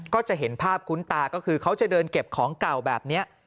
ก็จะเห็นภาพคุ้นตาก็คือเขาจะเดินเก็บของเก่าแบบนี้